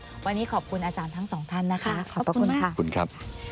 ที่สุดวันนี้ขอบคุณอาจารย์ทั้งสองท่านนะคะขอบคุณมากขอบคุณครับ